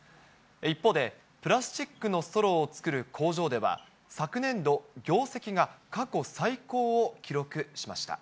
一方で、プラスチックのストローを作る工場では、昨年度、業績が過去最高を記録しました。